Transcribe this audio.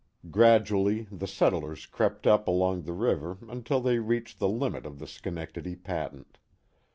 Gradually the settlers crept up along the river until they reached the limit of the Schenectady patent.